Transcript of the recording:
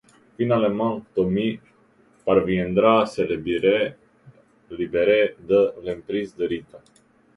Finalement, Tommy parviendra à se libérer de l'emprise de Rita.